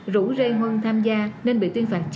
rủ lê huân tham gia nên bị tuyên phạt